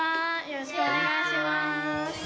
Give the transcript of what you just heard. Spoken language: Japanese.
よろしくお願いします。